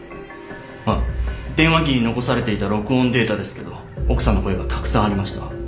あっ電話機に残されていた録音データですけど奥さんの声がたくさんありました。